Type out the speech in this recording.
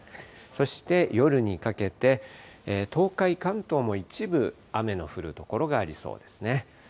そして夜にかけて、東海、関東も一部、雨の降る所がありそうですね。